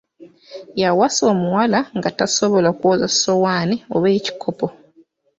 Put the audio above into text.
Yawasa omuwala nga tasobola kwoza ssowaanoi oba ekikopo.